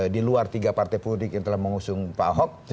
di luar tiga partai politik yang telah mengusung pak ahok